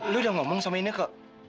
lu udah ngomong sama ineke